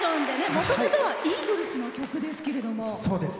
もともとはイーグルスの曲ですけど。